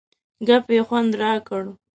ګپ یې خوند را کړ.